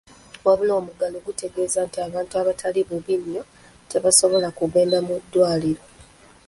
Wabula omuggalo gutegeeza nti abantu abataali bubi nnyo tebaasabola kugenda mu ddwaliro.